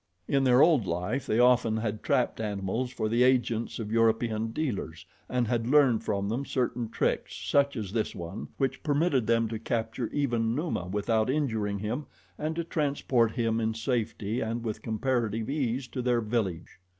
In their old life they often had trapped animals for the agents of European dealers, and had learned from them certain tricks, such as this one, which permitted them to capture even Numa without injuring him, and to transport him in safety and with comparative ease to their village.